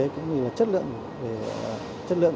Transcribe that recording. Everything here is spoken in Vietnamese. cũng như là chất lượng